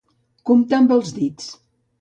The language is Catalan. Comptar amb els dits.